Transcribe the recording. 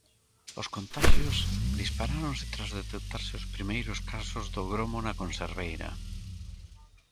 Os contaxios disparáronse tras detectarse os primeiros casos do gromo na conserveira.